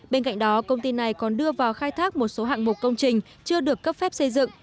bên cạnh đó công ty này còn đưa vào khai thác một số hạng mục công trình chưa được cấp phép xây dựng